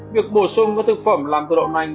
việc bổ sung các thực phẩm làm từ đậu nành